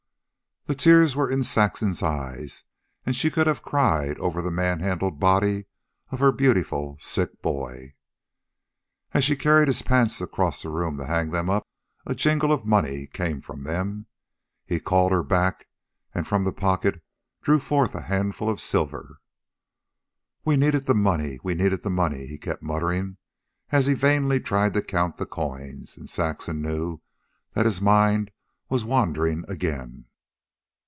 The tears were in Saxon's eyes, and she could have cried over the manhandled body of her beautiful sick boy. As she carried his pants across the room to hang them up, a jingle of money came from them. He called her back, and from the pocket drew forth a handful of silver. "We needed the money, we needed the money," he kept muttering, as he vainly tried to count the coins; and Saxon knew that his mind was wandering again.